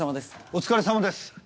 お疲れさまです。